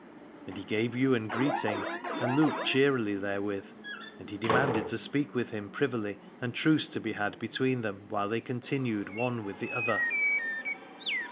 And he gave Ywain greeting, and looked cheerily there with ; and he demanded to speak with him privily, and truce to be had between them while they continued one with the other.